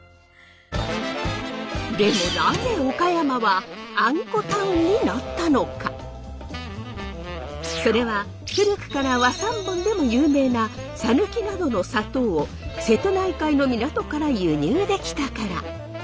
でもそれは古くから和三盆でも有名な讃岐などの砂糖を瀬戸内海の港から輸入できたから。